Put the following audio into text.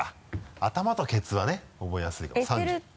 頭とケツはね覚えやすいかも。